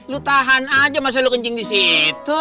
lu tahan aja masa lu kencing disitu